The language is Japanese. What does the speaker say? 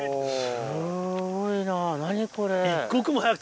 すごいな何これ。